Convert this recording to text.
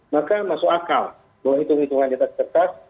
maka masuk akal bahwa itu hitungan data kertas